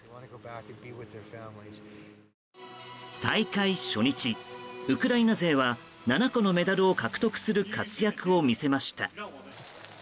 大会初日、ウクライナ勢は７個のメダルを獲得する活躍を見せました。